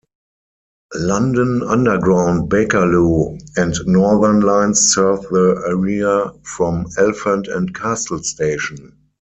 London Underground Bakerloo and Northern lines serve the area from Elephant and Castle Station.